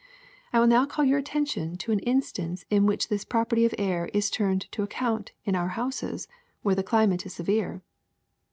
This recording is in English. I will now call your attention to an in stance in which this property of air is turned to ac count in our houses where the climate is severe.